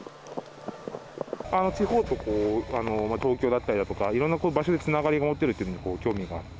地方と東京だったりだとか、いろんな場所でつながりが持てるというのに興味があって。